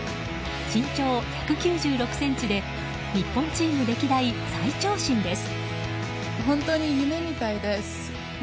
身長１９６ｃｍで日本チーム歴代最長身です。